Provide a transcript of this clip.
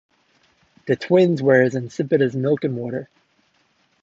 The twins were as insipid as milk and water.